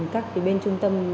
các cái bên chung cộng